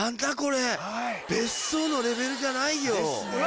別荘のレベルじゃないよ。